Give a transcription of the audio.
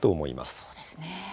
そうですね。